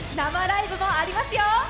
生ライブもありますよ！